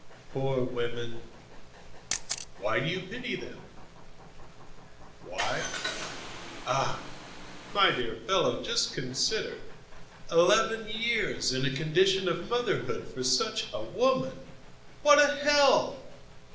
"Poor women!" "Why do you pity them?" "Why? Ah! my dear fellow, just consider! Eleven years in a condition of motherhood for such a woman! What a hell!